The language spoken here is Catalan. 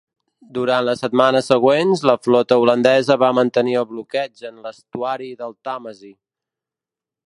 Durant les setmanes següents la flota holandesa va mantenir el bloqueig en l'estuari del Tàmesi.